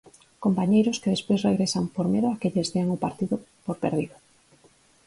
Compañeiros que despois regresan por medo a que lles dean o partido por perdido.